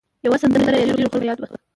یوه سندره یې د ډېرو خلکو په یاد وه.